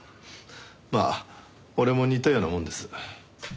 まあ俺も似たようなもんです。